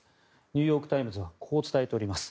ニューヨーク・タイムズはこう伝えております。